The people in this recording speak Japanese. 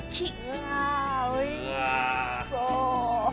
うわおいしそう。